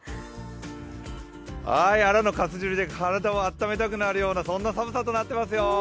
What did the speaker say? はーい、アラの粕汁で体をあっためたくなるようなそんな寒さとなってますよ。